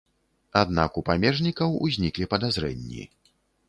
Аднак у памежнікаў узніклі падазрэнні.